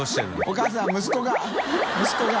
お母さん息子が息子が！